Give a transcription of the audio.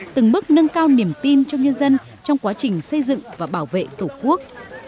từng bước nâng cao niềm tin trong nhân dân trong quá trình xây dựng và bảo vệ tổ quốc